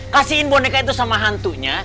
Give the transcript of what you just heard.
kasihkan bonekanya sama hantunya